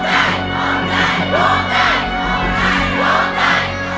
พร้อมใจพร้อมใจพร้อมใจพร้อมใจ